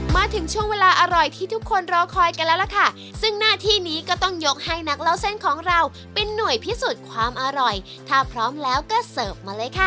มาถึงช่วงเวลาอร่อยที่ทุกคนรอคอยกันแล้วล่ะค่ะซึ่งหน้าที่นี้ก็ต้องยกให้นักเล่าเส้นของเราเป็นหน่วยพิสูจน์ความอร่อยถ้าพร้อมแล้วก็เสิร์ฟมาเลยค่ะ